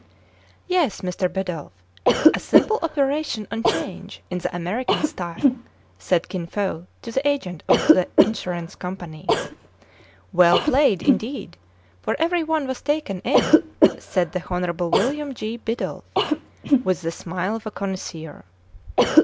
"Yes, Mr. Bidulph, a simple operation on change in the American style," said Kin Fo to the agent of the insurance company. " Well played, indeed ; for every one was taken in," said the Honorable William J. Bidulph, with the smile of a connoisseur.